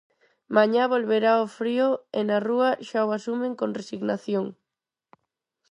Mañá volverá o frío e na rúa xa o asumen con resignación.